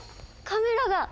カメラが！